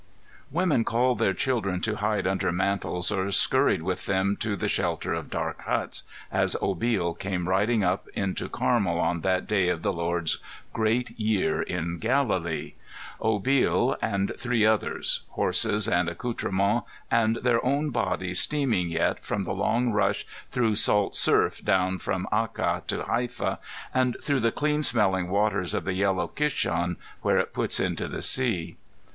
MARK IX: 38 40. Women called their children to hide under mantles, or skurried with them to the shelter of dark huts, as Obil came riding up into Carmel on that day of the Lord's Great Year in Galilee; Obil, and three others, horses and accoutrements and their own bodies steaming yet from the long rush through salt surf down from Akka to Haifa and through the clean smelling waters of the yellow Kishon where it puts into the sea.